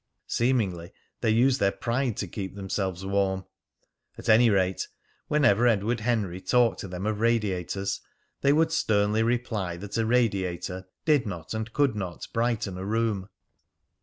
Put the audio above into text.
Seemingly they use their pride to keep themselves warm. At any rate, whenever Edward Henry talked to them of radiators, they would sternly reply that a radiator did not and could not brighten a room.